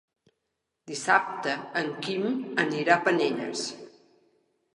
Dissabte en Quim anirà a Penelles.